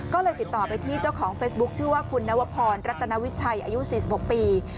ก็เลยติดต่อไปที่เจ้าของเฟซบุ๊คชื่อว่าคุณนวพรรัตนาวิชัยอายุ๔๖ปี